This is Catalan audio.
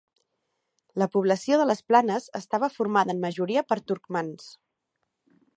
La població de les planes estava formada en majoria per turcmans.